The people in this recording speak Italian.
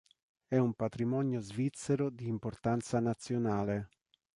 È un patrimonio svizzero di importanza nazionale.